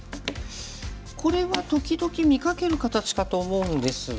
これは時々見かける形かと思うんですが。